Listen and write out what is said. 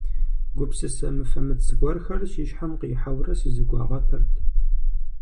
Гупсысэ мыфэмыц гуэрхэр си щхьэм къихьэурэ сызэгуагъэпырт.